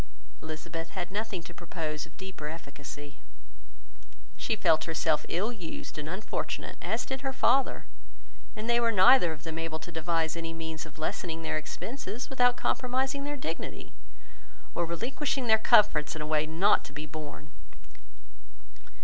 Elizabeth had nothing to propose of deeper efficacy. She felt herself ill used and unfortunate, as did her father; and they were neither of them able to devise any means of lessening their expenses without compromising their dignity, or relinquishing their comforts in a way not to be borne.